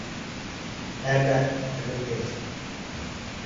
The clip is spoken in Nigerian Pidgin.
Lai lai I no get.